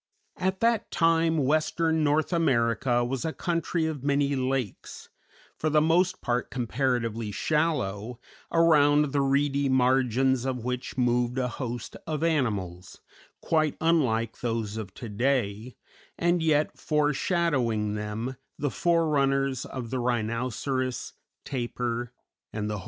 At that time, western North America was a country of many lakes, for the most part comparatively shallow, around the reedy margins of which moved a host of animals, quite unlike those of to day, and yet foreshadowing them, the forerunners of the rhinoceros, tapir, and the horse.